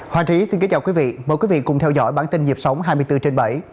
hòa trí xin kính chào quý vị mời quý vị cùng theo dõi bản tin nhịp sống hai mươi bốn trên bảy